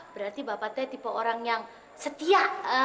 berarti bapak t tipe orang yang setia